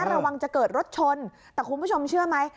ระวังจะเกิดรถชนแต่คุณผู้ชมเชื่อไหม